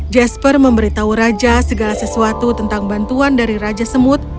jasper memberitahu raja segala sesuatu tentang bantuan dari raja semut